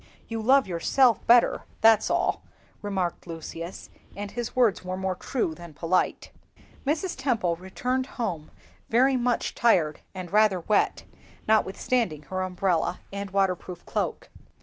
"You love yourself better, that's all," remarked Lucius; and his words were more true than polite. Mrs. Temple returned home very much tired and rather wet, notwithstanding her umbrella and waterproof cloak.